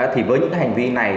thì với những cái hành vi này